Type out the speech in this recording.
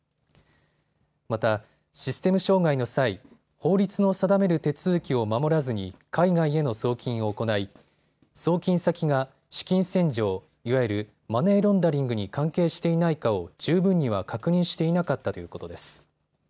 またシステム障害の際、法律の定める手続きを守らずに海外への送金を行い送金先が資金洗浄・いわゆるマネーロンダリングに関係していないかを十分には確認していなかったということです。